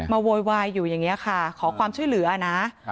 โวยวายอยู่อย่างนี้ค่ะขอความช่วยเหลือนะ